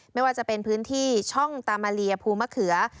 ไม่ว่าจะเป็นพื้นที่ช่องตามาเลียภูมะเขือ